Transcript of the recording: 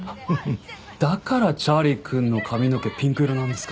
だからチャーリーくんの髪の毛ピンク色なんですか。